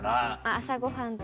朝ごはんと。